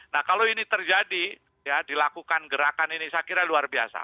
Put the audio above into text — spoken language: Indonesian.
nah kalau ini terjadi ya dilakukan gerakan ini saya kira luar biasa